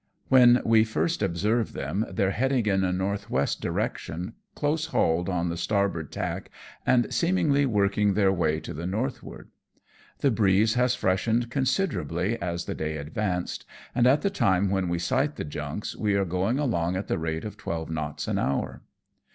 When we first observe them theyare heading in a north west direction, close hauled on the starboard tack, and seemingly working their way to the northward. The breeze has freshened considerably as the day advanced, and at the time when we sight the junks we are going along at the rate of twelve knots an hour.